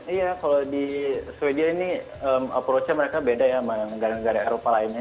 iya kalau di sweden ini approach nya mereka beda ya sama negara negara eropa lainnya